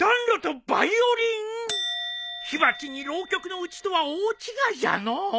火鉢に浪曲のうちとは大違いじゃのう。